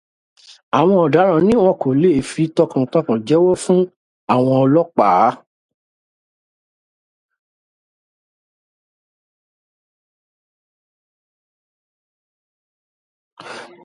Àwọn ọ̀daràn ní wọn kò le fí tọkàntọkàn jẹwo fún àwọn ọlọ́pàá.